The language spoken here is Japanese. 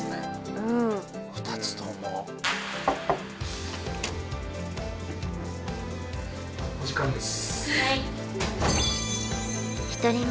うん２つともお時間です